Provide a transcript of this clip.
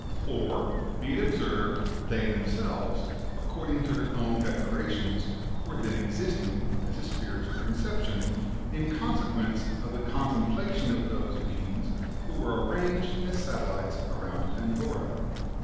For, [be it observed,] they themselves, according to their own declarations, were then existing, as a spiritual concep tion, in consequence of the contemplation of those beings who were arranged as satellites around Pandora.